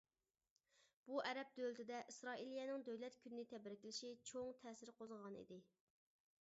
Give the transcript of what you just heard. بۇ ئەرەب دۆلىتىدە ئىسرائىلىيەنىڭ دۆلەت كۈنىنى تەبرىكلىشى چوڭ تەسىر قوزغىغان ئىدى.